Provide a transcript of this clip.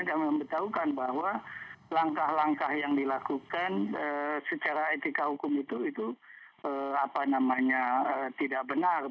dan membetahukan bahwa langkah langkah yang dilakukan secara etika hukum itu tidak benar